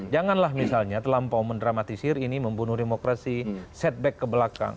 janganlah misalnya terlampau mendramatisir ini membunuh demokrasi setback ke belakang